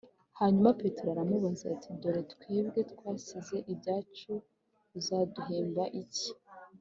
Hanyuma Petero aramubaza ati dore twebwe twasize ibyacu uzaduhemba iki